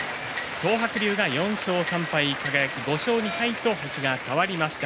東白龍が４勝３敗輝が５勝２敗と星が変わりました。